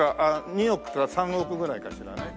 ２億とか３億ぐらいかしらね？